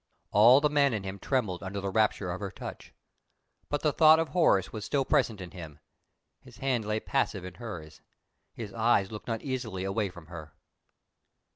All the man in him trembled under the rapture of her touch. But the thought of Horace was still present to him: his hand lay passive in hers; his eyes looked uneasily away from her.